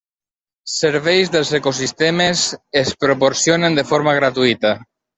Serveis dels ecosistemes es proporcionen de forma gratuïta.